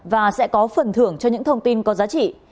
và sẽ có phần thưởng cho những thông tin có giá trị